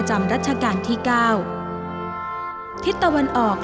ชิ้นอันดับคลิกว่าสว่างข่ะ